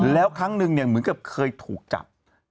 แล้วครั้งนึงเนี่ยเหมือนกับเคยถูกจับ